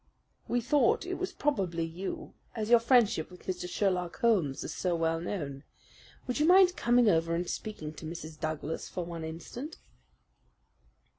"We thought that it was probably you, as your friendship with Mr. Sherlock Holmes is so well known. Would you mind coming over and speaking to Mrs. Douglas for one instant?"